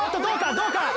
どうか？